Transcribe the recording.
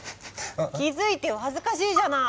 気付いてよ恥ずかしいじゃない！